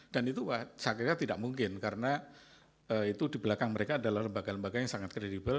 dan itu saya kira tidak mungkin karena itu di belakang mereka adalah lembaga lembaga yang sangat kredibel